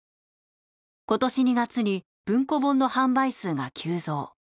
今年２月に文庫本の販売数が急増。